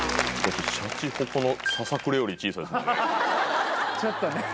シャチホコのささくれより小さいですもんね。